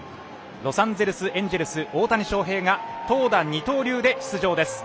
ロサンゼルス・エンジェルス大谷翔平が投打二刀流で出場です。